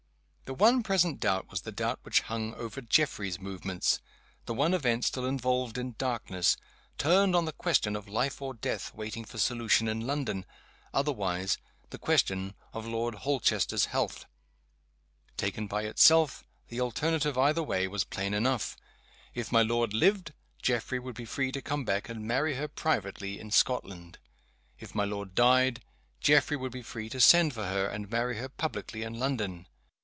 The one present doubt was the doubt which hung over Geoffrey's movements. The one event still involved in darkness turned on the question of life or death waiting for solution in London otherwise, the question of Lord Holchester's health. Taken by itself, the alternative, either way, was plain enough. If my lord lived Geoffrey would be free to come back, and marry her privately in Scotland. If my lord died Geoffrey would be free to send for her, and marry her publicly in London.